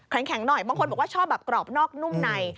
แข็งหน่อยบางคนบอกว่าชอบแบบกรอบนอกนุ่มใน